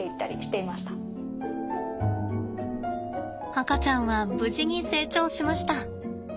赤ちゃんは無事に成長しました。